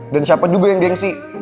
dan siapa juga yang gengsi